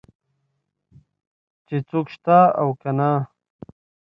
چې څوک شته او که نه.